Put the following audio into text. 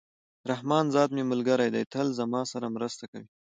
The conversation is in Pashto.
رحمان ذات مي ملګری دئ! تل زما سره مرسته کوي.